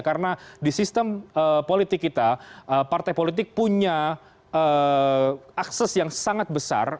karena di sistem politik kita partai politik punya akses yang sangat besar